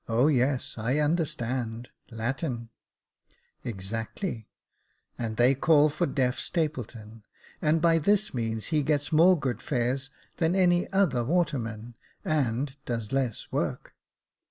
" O yes, I understand — Latin !"" Exactly — and they call for Deaf Stapleton ; and by this means he gets more good fares than any other waterman, and does less work."